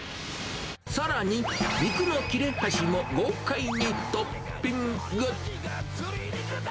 さらに、肉の切れ端も豪快にトッピング。